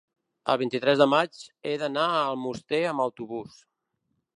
el vint-i-tres de maig he d'anar a Almoster amb autobús.